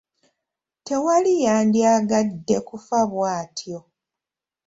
Tewali yandyagadde kufa bw’atyo.